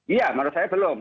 iya menurut saya belum